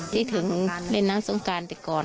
คิดถึงเล่นน้ำทรงการไปก่อน